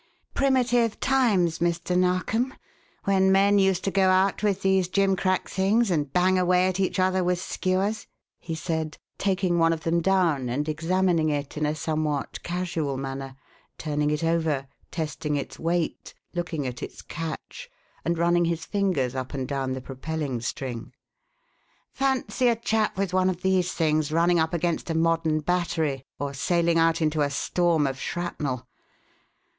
"Primitive times, Mr. Narkom, when men used to go out with these jimcrack things and bang away at each other with skewers!" he said, taking one of them down and examining it in a somewhat casual manner, turning it over, testing its weight, looking at its catch, and running his fingers up and down the propelling string. "Fancy a chap with one of these things running up against a modern battery or sailing out into a storm of shrapnel!